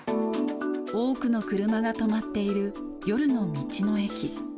多くの車が止まっている夜の道の駅。